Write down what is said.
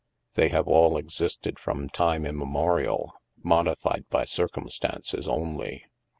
They have all existed from time im memorial, modified by circumstances only.